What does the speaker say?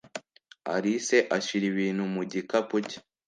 Alice ashyira ibintu mu gikapu cye.